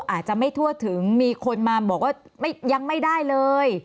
อาจจะไม่ทั่วถึงมีคนมาบอกว่ายังไม่ได้เลย